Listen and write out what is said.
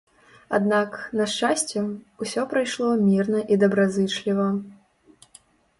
Аднак, на шчасце, усё прайшло мірна і добразычліва.